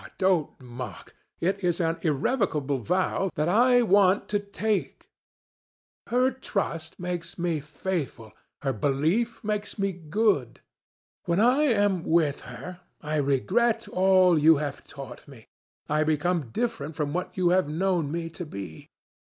Ah! don't mock. It is an irrevocable vow that I want to take. Her trust makes me faithful, her belief makes me good. When I am with her, I regret all that you have taught me. I become different from what you have known me to be.